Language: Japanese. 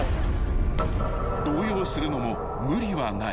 ［動揺するのも無理はない］